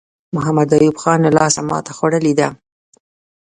محمد ایوب خان له لاسه ماته خوړلې ده.